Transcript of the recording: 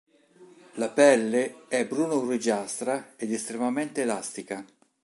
La pelle è bruno-grigiastra ed estremamente elastica.